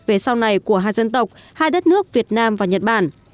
về sau này của hai dân tộc hai đất nước việt nam và nhật bản